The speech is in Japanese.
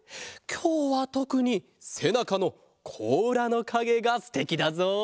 きょうはとくにせなかのこうらのかげがすてきだぞ。